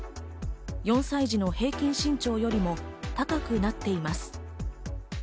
４歳児の平均身長よりも高くなっています。